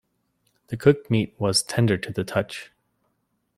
The cooked meat was tender to the touch.